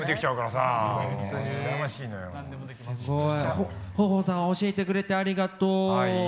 すごい。豊豊さん教えてくれてありがとう。